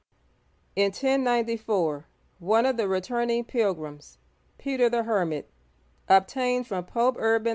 In 1094, one of the returning pilgrims, Peter the Hermit, obtained from Pope Urban II.